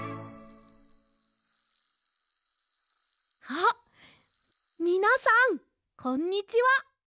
あっみなさんこんにちは。